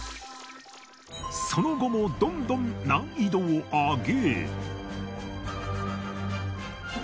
その後もどんどん難易度を上げ。